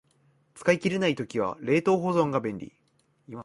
使い切れない時は冷凍保存が便利